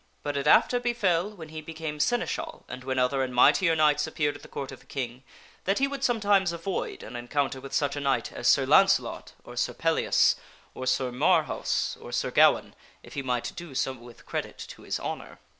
But it after befell, when he became Seneschal, and when other and mightier knights appeared at the court of the King, that he would sometimes avoid an encounter with such a knight as Sir Launcelot, or Sir Pellias, or Sir Marhaus, or Sir Gawaine, if he might do so with credit to his honor.)